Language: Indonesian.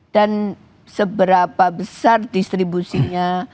dan seberapa besar distribusinya